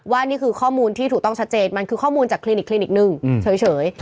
นี่คือข้อมูลที่ถูกต้องชัดเจนมันคือข้อมูลจากคลินิกคลินิกหนึ่งเฉย